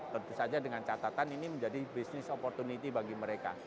tentu saja dengan catatan ini menjadi business opportunity bagi mereka